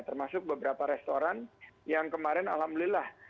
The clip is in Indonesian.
termasuk beberapa restoran yang kemarin alhamdulillah